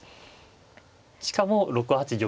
しかも６八玉。